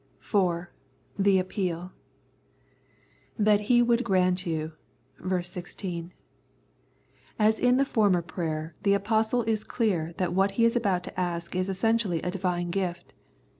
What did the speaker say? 4. The Appeal. "That He would grant you" (ver. 16). As in the former prayer, the Apostle is clear that what he is about to ask is essentially a Divine gift.